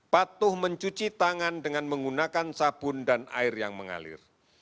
patuh mencuci tangan dengan menggunakan sabun dan air yang mengalir